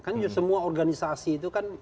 kan semua organisasi itu kan